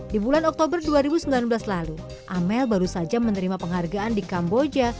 di bulan oktober dua ribu sembilan belas lalu amel baru saja menerima penghargaan di kamboja